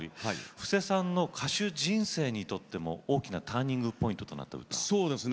布施さんの歌手人生にとっても大きなターニングポイントとなっているんですか？